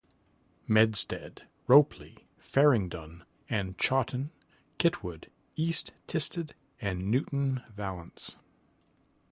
Medstead, Ropley, Farringdon and Chawton, Kitwood, East Tisted and Newton Valence.